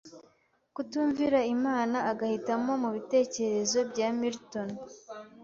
kutumvira Imana agahitamo mubitekerezo bya Milton